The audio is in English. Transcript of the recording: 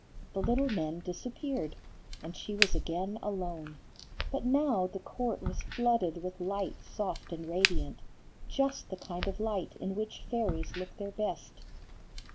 The little men disappeared, and she was again alone; but now the court was flooded with light soft and radiant, just the kind of light in which fairies look their best.